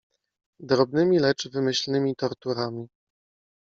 drobnymi lecz wymyślnymi torturami.